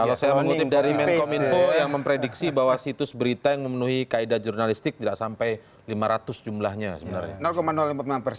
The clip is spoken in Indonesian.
kalau saya mengutip dari menkom info yang memprediksi bahwa situs berita yang memenuhi kaedah jurnalistik tidak sampai lima ratus jumlahnya sebenarnya